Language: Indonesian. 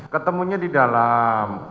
ketemunya di dalam